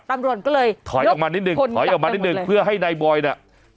ตำรวจก็เลยยกคนกลับไปหมดเลยถอยออกมานิดนึงเพื่อให้นายบอยน่ะ